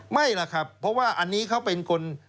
ไม่ล่ะครับเพราะว่าอันนี้เขาเป็นคน